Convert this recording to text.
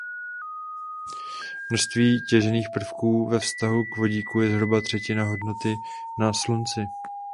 Množství těžkých prvků ve vztahu k vodíku je zhruba třetina hodnoty na slunci.